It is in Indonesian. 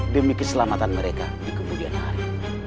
demi keselamatan mereka di kemudian hari